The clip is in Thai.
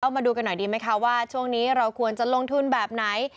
มาดูกันหน่อยดีไหมคะว่าช่วงนี้เราควรจะลงทุนแบบไหน